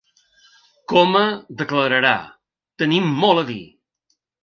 Coma declararà: ‘tenim molt a dir’